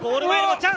チャンス！